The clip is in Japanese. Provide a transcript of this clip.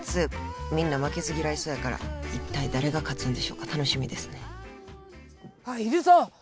みんな負けず嫌いそうやから一体誰が勝つんでしょうか楽しみですね